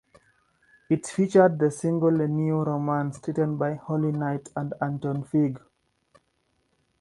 It featured the single "New Romance", written by Holly Knight and Anton Fig.